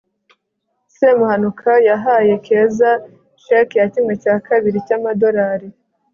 semuhanuka yahaye keza sheki ya kimwe cya kabiri cyamadorari